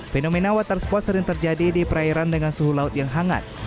fenomena water spot sering terjadi di perairan dengan suhu laut yang hangat